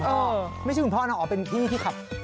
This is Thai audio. ไม่ใช่คุณพ่อนะเป็นที่ที่ขับ